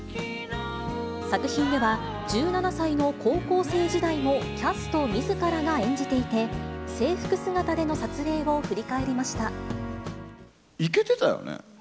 作品では、１７歳の高校生時代もキャストみずからが演じていて、制服姿でのいけてたよね？